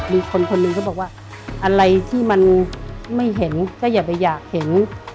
มีคนคนหนึ่งเขาบอกว่าอะไรที่มันไม่เห็นก็อย่าไปอยากเห็น